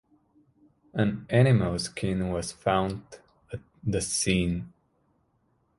An animal skin was found at the scene.